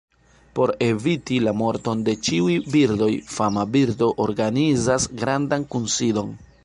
Por eviti la morton de ĉiuj birdoj, fama birdo organizas grandan kunsidon.